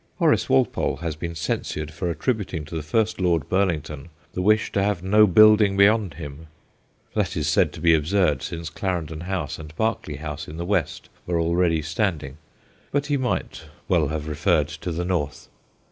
Horace Walpole has been censured for attributing to the first Lord Burlington the wish to have no building beyond him ; that is said to be absurd, since Clarendon House and ARCHITECTURE 111 Berkeley House in the west were already standing, but he might well have referred to the north.